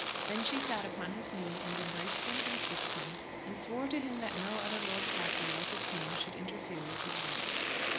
Then she sat upon his knee, and embraced him and kissed him, and swore to him that no other Lord Castlewell who came should interfere with his rights.